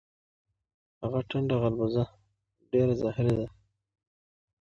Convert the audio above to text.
هغه ټنډه غالبوزه ډیره زهری ده.